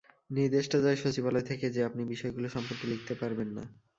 নির্দেশটা যায় সচিবালয় থেকে যে আপনি বিষয়গুলো সম্পর্কে লিখতে পারবেন না।